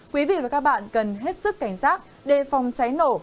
quý vị và các bạn cần hết sức cảnh giác đề phòng cháy nổ